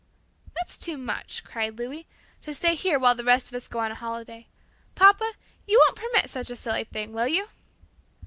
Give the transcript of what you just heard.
"That's too much!" cried Louis, "to stay here while the rest of us go on a holiday. Papa, you won't permit such a silly thing; will you?"